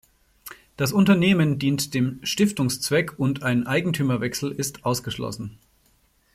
Das Unternehmen dient dem Stiftungszweck und ein Eigentümerwechsel ist ausgeschlossen.